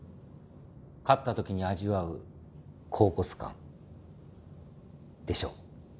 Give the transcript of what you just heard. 勝った時に味わう恍惚感でしょ？